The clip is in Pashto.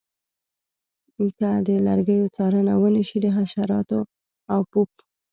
که د لرګیو څارنه ونشي د حشراتو او پوپ